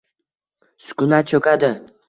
Sukunat cho‘kadi.